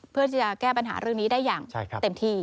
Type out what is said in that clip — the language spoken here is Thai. เพื่อที่จะแก้ปัญหาเรื่องนี้ได้อย่างเต็มที่